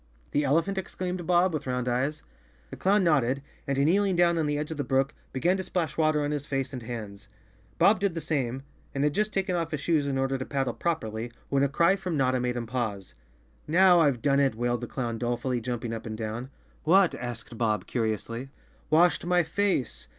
"The elephant?" exclaimed Bob, with round eyes. The clown nodded and, kneeling down on the edge of the brook, began to splash water on his face and hands. 66 _ Chapter Five Bob did the same, and had just taken off his shoes in order to paddle properly, when a cry from Notta made him pause. "Now I've done it," wailed the clown dolefully, jump¬ ing up and down. "What?" asked Bob curiously. "Washed my face."